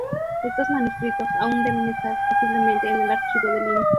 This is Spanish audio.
Estos manuscritos aún deben estar posiblemente en el Archivo de Lima.